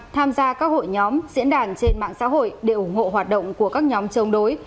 tham gia các hội nhóm diễn đàn trên mạng xã hội để ủng hộ hoạt động của các nhóm chống đối